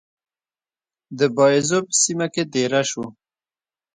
د باییزو په سیمه کې دېره شو.